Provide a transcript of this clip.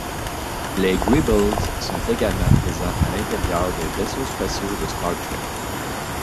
Les greebles sont également présents à l'intérieur des vaisseaux spatiaux de Star Trek.